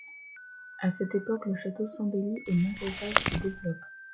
À cette époque le château s'embellit et Malleval se développe.